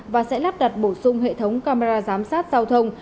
và sẽ lắp đặt bổ sung hệ thống camera giám sát giao thông